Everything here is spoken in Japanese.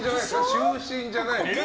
就寝じゃないの？